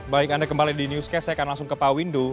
baik anda kembali di newscast saya akan langsung ke pak windu